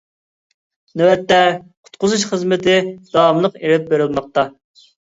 نۆۋەتتە قۇتقۇزۇش خىزمىتى داۋاملىق ئېلىپ بېرىلماقتا.